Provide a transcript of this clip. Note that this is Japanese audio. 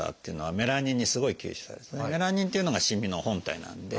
メラニンっていうのがしみの本体なんで。